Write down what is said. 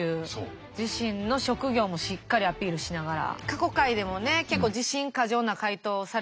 自身の職業もしっかりアピールしながら。